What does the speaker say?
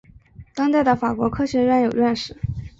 当代的法国科学院有院士。